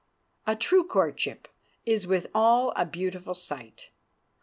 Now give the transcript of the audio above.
A true courtship is with all a beautiful sight.